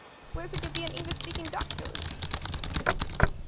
Where could there be an English-speaking doctor?